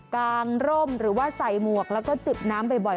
กางร่มหรือว่าใส่หมวกแล้วก็จิบน้ำบ่อย